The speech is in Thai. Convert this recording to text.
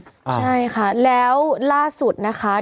ใช่ค่ะแล้วล่าสุดนะคะ